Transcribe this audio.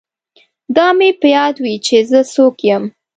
دا مې په یاد وي چې زه څوک یم